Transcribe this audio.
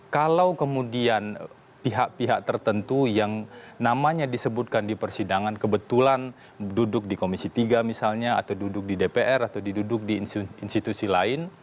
kalau kemudian pihak pihak tertentu yang namanya disebutkan di persidangan kebetulan duduk di komisi tiga misalnya atau duduk di dpr atau diduduk di institusi lain